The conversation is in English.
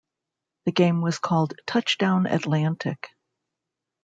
The game was called "Touchdown Atlantic".